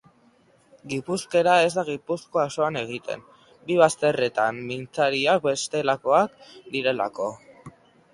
Gipuzkera ez da Gipuzkoa osoan egiten, bi bazterretan mintzairak bestelakoak direlako